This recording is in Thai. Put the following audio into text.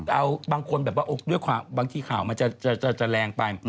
เอาบางคนแบบว่าด้วยความบางทีข่าวมันจะแรงไป